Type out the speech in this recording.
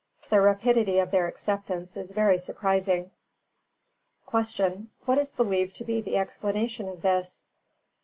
The rapidity of their acceptance is very surprising. 324. Q. _What is believed to be the explanation of this?